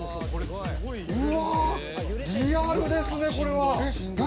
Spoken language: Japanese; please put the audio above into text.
うわリアルですねこれは。何？